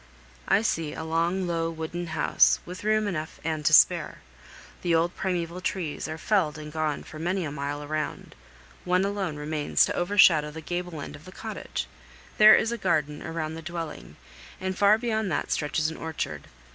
I see a long, low, wooden house, with room enough and to spare. The old primeval trees are felled and gone for many a mile around; one alone remains to overshadow the gable end of the cottage. There is a garden around the dwelling, and far beyond that stretches an orchard.